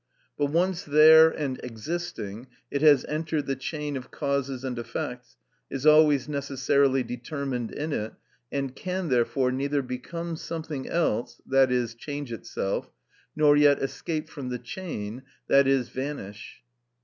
But once there and existing, it has entered the chain of causes and effects, is always necessarily determined in it, and can, therefore, neither become something else, i.e., change itself, nor yet escape from the chain, i.e., vanish.